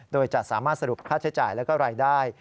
โดยจะสามารถสรุปค่าใช้จ่ายและรายได้